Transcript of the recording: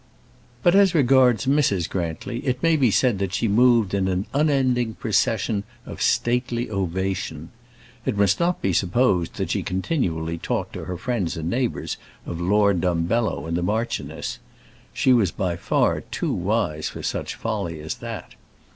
But as regards Mrs. Grantly it may be said that she moved in an unending procession of stately ovation. It must not be supposed that she continually talked to her friends and neighbours of Lord Dumbello and the marchioness. She was by far too wise for such folly as that.